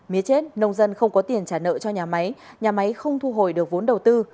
mía chết nông dân không có tiền trả nợ cho nhà máy nhà máy không thu hồi được vốn đầu tư